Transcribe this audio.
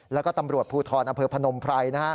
แล้วก็ตำรวจภูทรอเผอร์พนมไพร